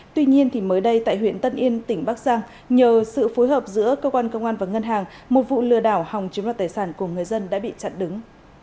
tuy nhiên mới đây tại huyện tân yên tỉnh bắc giang nhờ sự phối hợp giữa cơ quan công an và ngân hàng một vụ lừa đảo hòng chiếm đoạt tài sản của người dân đã bị chặn đứng